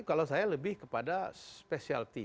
kalau saya lebih kepada specialty